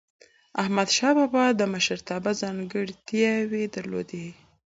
احمدشاه بابا د مشرتابه ځانګړی وړتیا درلودله.